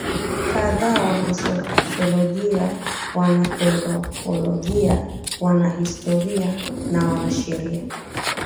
kadhaa wanasosholojia wananthropolojia wanahistoria na wanasheria